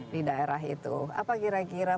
di daerah itu apa kira kira